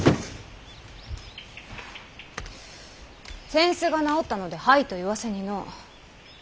扇子が直ったので「はい」と言わせにの。